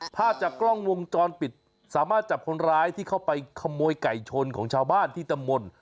ภาพจากกล้องวงจรปิดสามารถจับคนร้ายที่เข้าไปขโมยไก่ชนของชาวบ้านที่ตำบล